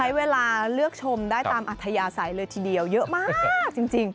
ใช้เวลาเลือกชมได้ตามอัธยาศัยเลยทีเดียวเยอะมากจริง